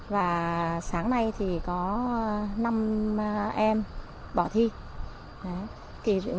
và sáng nay thì có năm em bỏ thi